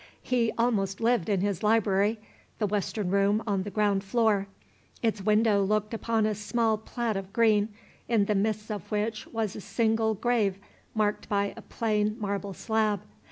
He almost lived in his library, the western room on the ground floor. Its window looked upon a small plat of green, in the midst of which was a single grave marked by a plain marble slab.